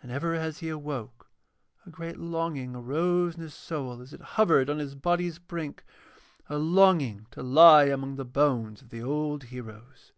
And ever as he awoke a great longing arose in his soul as it hovered on his body's brink, a longing to lie among the bones of the old heroes.